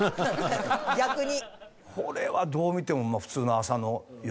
逆に。